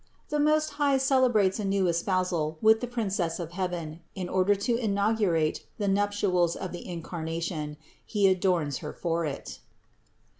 THE MOST HIGH CELEBRATES A NEW ESPOUSAL WITH THE PRINCESS OF HEAVEN IN ORDER TO INAUGURATE THE NUPTIALS OF THE INCARNATION. HE ADORNS HER FOR IT.